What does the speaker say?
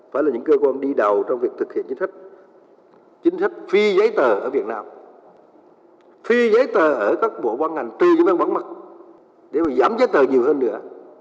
phải là những cơ quan đi đầu trong việc thực hiện chính sách chính sách phi giấy tờ ở việt nam phi giấy tờ ở các bộ bán ngành trừ những văn bản mặt để giảm giấy tờ nhiều hơn nữa